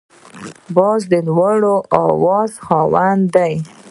باز د لوړ اواز خاوند دی